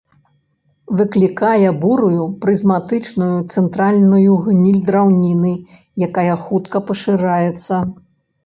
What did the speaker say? Выклікае бурую, прызматычную, цэнтральную гніль драўніны, якая хутка пашыраецца.